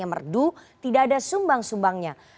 yang merdu tidak ada sumbang sumbangnya